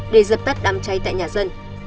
để dập tắt đám cháy tại nhà dân